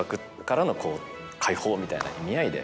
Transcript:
みたいな意味合いで。